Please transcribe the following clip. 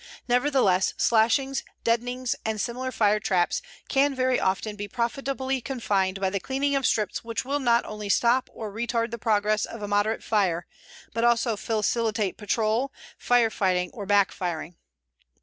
Nevertheless slashings, deadenings and similar fire traps can very often be profitably confined by the cleaning of strips which will not only stop or retard the progress of a moderate fire but also facilitate patrol, fire fighting or back firing.